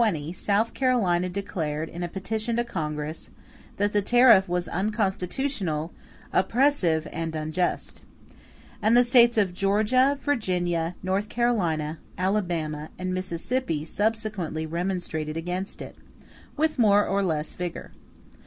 ] As early as the year 1820, South Carolina declared, in a petition to Congress, that the tariff was "unconstitutional, oppressive, and unjust." And the States of Georgia, Virginia, North Carolina, Alabama, and Mississippi subsequently remonstrated against it with more or less vigor.